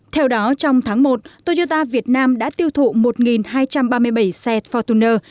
theo đó trong tháng một toyota việt nam đã tiêu thụ một hai trăm ba mươi bảy xe fortuner